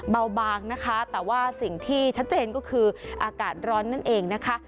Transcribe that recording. เบาบางนะคะแต่ว่าสิ่งที่ชัดเจนก็คืออากาศร้อนนั่นเองนะคะ